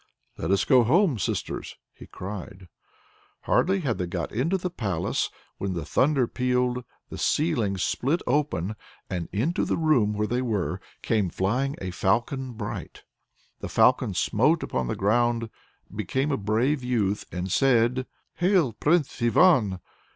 "Let us go home, sisters!" he cried. Hardly had they got into the palace, when the thunder pealed, the ceiling split open, and into the room where they were, came flying a falcon bright. The Falcon smote upon the ground, became a brave youth, and said: "Hail, Prince Ivan!